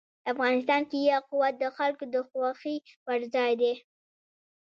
افغانستان کې یاقوت د خلکو د خوښې وړ ځای دی.